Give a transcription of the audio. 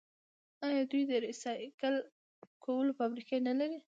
آیا دوی د ریسایکل کولو فابریکې نلري؟